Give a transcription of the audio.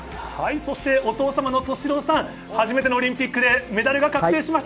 お父様、敏郎さん、初めてのオリンピックでメダルが確定しました。